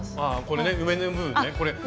これね上の部分ね。